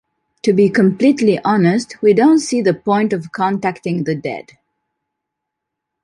To be completely honest, we don't see the point of contacting the dead.